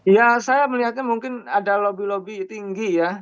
ya saya melihatnya mungkin ada lobby lobby tinggi ya